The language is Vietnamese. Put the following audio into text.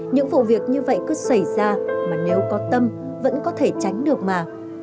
những vụ việc như vậy cứ xảy ra mà nếu có tâm vẫn có thể tránh được mà